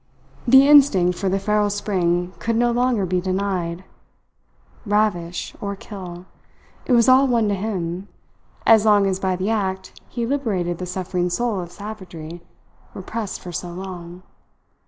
The instinct for the feral spring could no longer be denied. Ravish or kill it was all one to him, as long as by the act he liberated the suffering soul of savagery repressed for so long.